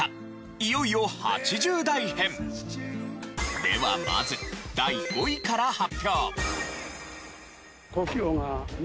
いよいよ８０代編。ではまず第５位から発表。